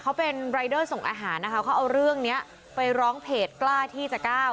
เขาเป็นรายเดอร์ส่งอาหารนะคะเขาเอาเรื่องนี้ไปร้องเพจกล้าที่จะก้าว